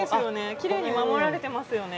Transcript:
きれいに守られてますよね。